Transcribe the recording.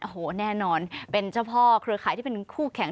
โอ้โหแน่นอนเป็นเจ้าพ่อเครือข่ายที่เป็นคู่แข่ง